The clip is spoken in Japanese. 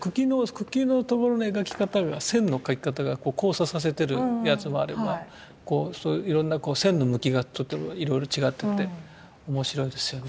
茎の所の描き方が線の描き方がこう交差させてるやつもあればこういろんな線の向きがとってもいろいろ違ってて面白いですよね